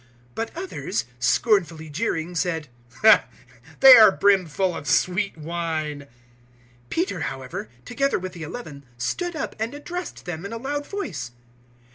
002:013 But others, scornfully jeering, said, "They are brim full of sweet wine." 002:014 Peter however, together with the Eleven, stood up and addressed them in a loud voice.